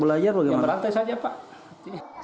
berantai saja pak